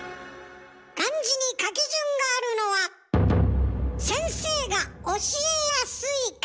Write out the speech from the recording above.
漢字に書き順があるのは先生が教えやすいから。